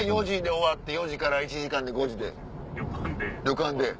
４時に終わって４時から１時間で５時に旅館。